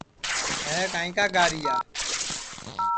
ہے کائیں کا گاریا